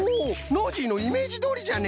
ノージーのイメージどおりじゃね！